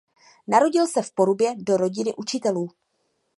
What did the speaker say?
Narodil se v Porubě do rodiny učitelů.